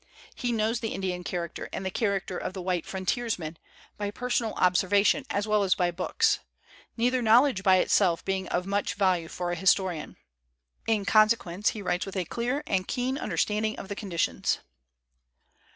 He knows the Indian character and the character of the white frontiersman, by per sonal observation as well as by books; neither knowledge by itself being of much value for a historian. In consequence he writes with a clear and keen understanding of the conditions."